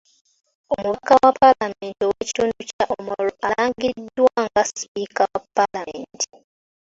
Omubaka wa Paalamenti ow’ekitundu kya Omoro alangiriddwa nga Sipiika wa Paalamenti.